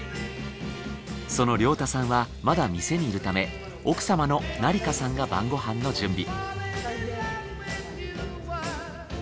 その亮太さんはまだ店にいるため奥様の奈里架さんが晩ご飯の準備。